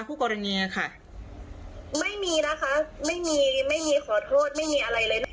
ผู้กรณีค่ะไม่มีนะคะไม่มีไม่มีขอโทษไม่มีอะไรเลยนะคะ